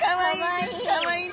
かわいい。